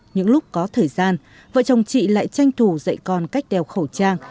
những lúc có thời gian vợ chồng chị lại tranh thủ dạy con cách đeo khẩu trang